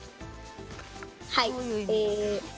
はい。